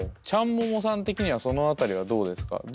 ちゃんももさん的にはその辺りはどうですか。